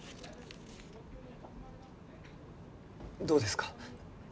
どうですか？